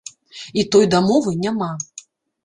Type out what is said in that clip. І той дамовы няма.